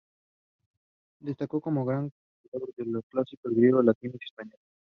Destacó como gran conocedor de los clásicos griegos, latinos y españoles.